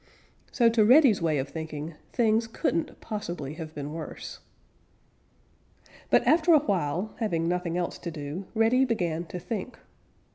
So, to Reddy's way of thinking, things couldn't possibly have been worse. But after a while, having nothing else to do, Reddy began to think.